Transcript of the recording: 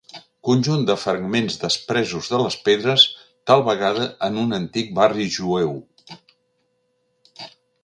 Conjunt de fragments despresos de les pedres, tal vegada en un antic barri jueu.